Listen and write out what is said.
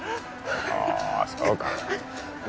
ああそうかな